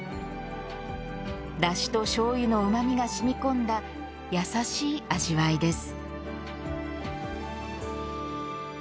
だしとしょうゆのうまみが染み込んだ、やさしい味わいです。